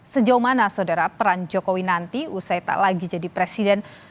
sejauh mana saudara peran jokowi nanti usai tak lagi jadi presiden